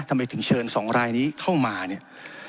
ทำไมถึงเชิญ๒รายนี้เข้ามาเนี่ย